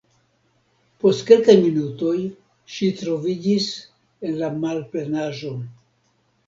Post kelkaj minutoj ŝi troviĝis en la malplenaĵo.